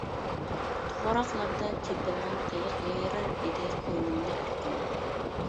توغراقلاردا چېپىلغان قىيىق، يايرار ئىدى قوينۇڭدا ئەركىن.